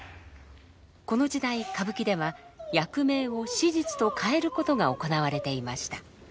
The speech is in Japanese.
この時代歌舞伎では役名を史実と変えることが行われていました。